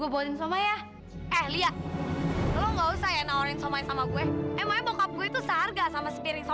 udah li jangan nangis